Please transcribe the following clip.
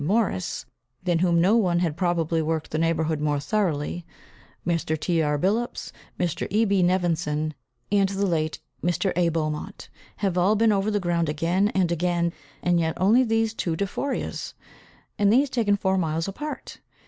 Morice, than whom no one has probably worked the neighbourhood more thoroughly, Mr. T. R. Billups, Mr. E. B. Nevinson, and the late Mr. A. Beaumont, have all been over the ground again and again, and yet only these two Dufoureas! and these taken four miles apart.